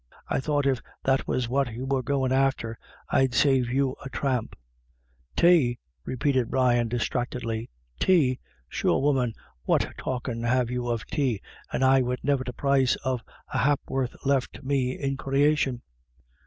" I thought if that was what you were goin' after, I'd save you a tramp." " Tay ?" repeated Brian, distractedly ;" tay ? Sure woman, what talkin' have you of tay, and I wid niver the price of a hap'orth left me in creation